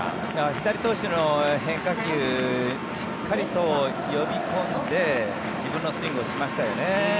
左投手の変化球しっかりと呼び込んで自分のスイングをしましたよね。